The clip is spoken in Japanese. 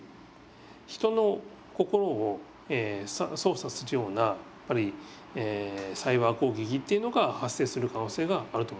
人の心を操作するようなやっぱりサイバー攻撃っていうのが発生する可能性があると思ってます。